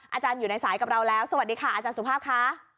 อาจารย์อยู่ในสายกับเราแล้วสวัสดีค่ะอาจารย์สุภาพค่ะ